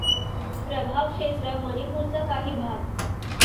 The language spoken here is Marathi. प्रभावक्षेत्र मणिपूरचा काही भाग.